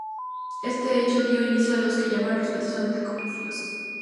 Este hecho dio inicio a que le llamaran respetuosamente como el "Filósofo".